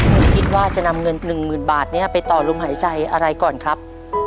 คุณคิดว่าจะนำเงิน๑๐๐๐บาทนี้ไปต่อลมหายใจอะไรก่อนครับ